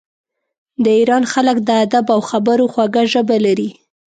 د ایران خلک د ادب او خبرو خوږه ژبه لري.